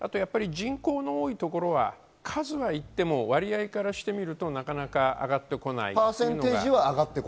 人口の多いところは数はいっても割合からしてみるとなかなか上がってこない。